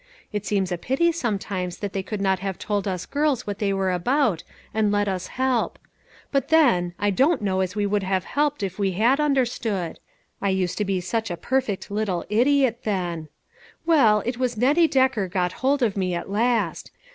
It seems a pity sometimes that they could not have told us girls what they were about and let us help ; but then, I don't know as we would have helped if we had understood ; I used to be such a perfect little idiot then ! Well, it was Nettie Decker got hold of me at last.